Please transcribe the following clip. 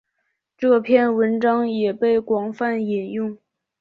这篇文章也被广泛引用。